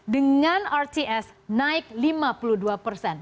dengan rts naik lima puluh dua persen